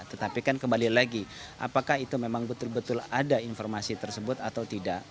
tetapi kan kembali lagi apakah itu memang betul betul ada informasi tersebut atau tidak